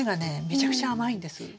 めちゃくちゃ甘いんですよ。